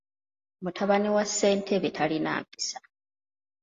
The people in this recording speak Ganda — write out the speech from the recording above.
Mutabani wa ssentebe talina mpisa.